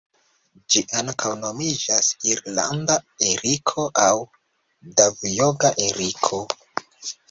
Ĝi ankaŭ nomiĝas irlanda eriko aŭ Davjoga eriko.